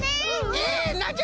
えなんじゃ？